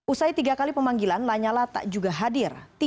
usai tiga kali pemanggilan lanyala tak juga hadir